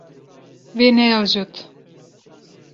Wê neajot.